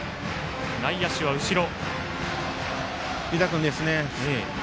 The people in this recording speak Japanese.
内野手は後ろ。